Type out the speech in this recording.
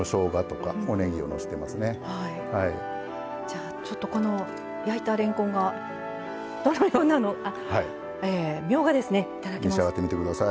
じゃあちょっとこの焼いたれんこんがどのようなのあみょうがですねいただきます。